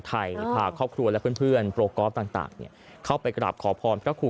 พาครอบครัวและเพื่อนโปรกอล์ฟต่างเข้าไปกราบขอพรพระครู